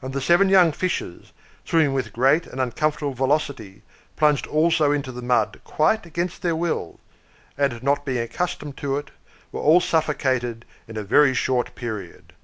And the seven young Fishes, swimming with great and uncomfortable velocity, plunged also into the mud quite against their will, and, not being accustomed to it, were all suffocated in a very short period.